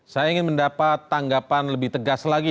saya ingin mendapat tanggapan lebih tegas lagi